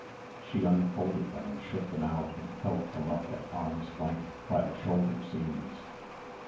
She unfolded them and shook them out and held them up at arms' length by the shoulder seams.